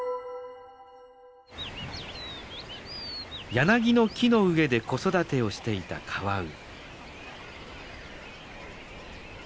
ヤナギの木の上で子育てをしていたカワウ。